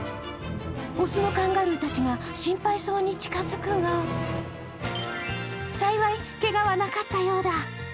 雄のカンガルーたちが心配そうに近づくが幸い、けがはなかったようだ。